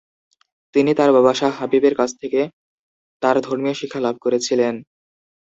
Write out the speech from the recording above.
তিনি তাঁর বাবা শাহ হাবিবের কাছ থেকে তাঁর ধর্মীয় শিক্ষা লাভ করেছিলেন।